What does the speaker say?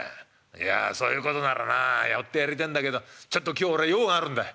いやそういうことならな寄ってやりてえんだけどちょっと今日俺は用があるんだ。